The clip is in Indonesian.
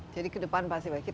jadi ke depan pasti bagus